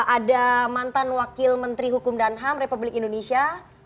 ada mantan wakil menteri hukum danham republik indonesia